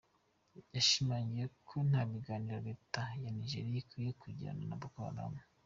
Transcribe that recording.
Yashimangiye ko nta biganiro leta ya Nigeria ikwiye kugirana na Boko Haram.